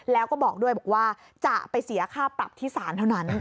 แล้วก็บอกด้วยบอกว่าจะไปเสียค่าปรับที่ศาลเท่านั้น